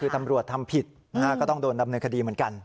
คือตำรวจทำผิดก็ต้องโดนดำเนินคดีเหมือนกัน